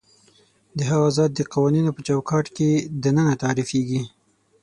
د هغه ذات د قوانینو په چوکاټ کې دننه تعریفېږي.